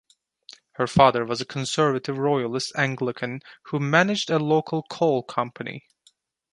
Her father was a conservative royalist Anglican who managed a local coal company.